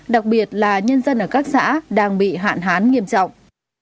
đặc biệt là nhân dân ở các xã đang bị hạn hán nghiêm trọng